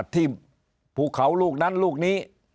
ภูเขาลูกนั้นลูกนี้